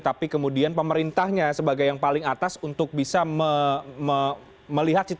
tapi kemudian pemerintahnya sebagai yang paling atas untuk mencari aturan